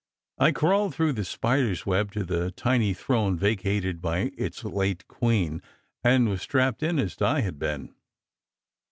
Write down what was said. I crawled through the spider s web to the tiny throne vacated by its late queen, and was strapped in as Di had been.